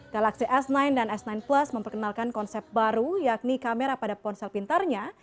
galaxy s sembilan dan s sembilan plus memperkenalkan konsep baru yakni kamera pada ponsel pintarnya